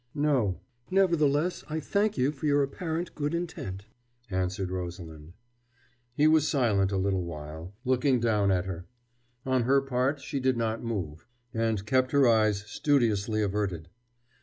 "No. Nevertheless, I thank you for your apparent good intent," answered Rosalind. He was silent a little while, looking down at her. On her part, she did not move, and kept her eyes studiously averted.